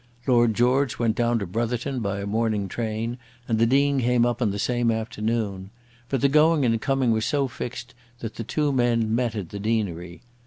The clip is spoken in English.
Lord George went down to Brotherton by a morning train, and the Dean came up on the same afternoon. But the going and coming were so fixed that the two men met at the deanery.